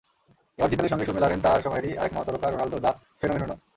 এবার জিদানের সঙ্গে সুর মেলালেন তাঁর সময়েরই আরেক মহাতারকা রোনালদো—দ্য ফেনোমেননও।